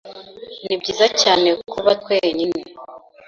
Nibyiza cyane kuba twenyine.